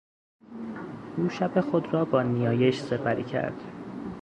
او شب خود را با نیایش سپری کرد.